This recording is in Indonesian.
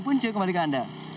punca kembali ke anda